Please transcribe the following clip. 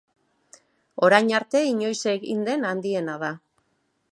Orain arte inoiz egin den handiena da.